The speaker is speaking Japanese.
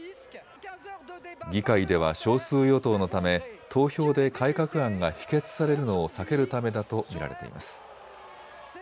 議会では少数与党のため投票で改革案が否決されるのを避けるためだと見られています。